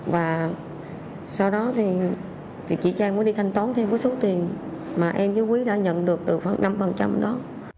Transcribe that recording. và sau đó thì chị trang mới đi thanh toán thêm một số tiền mà em chú quý đã nhận được từ khoảng năm đó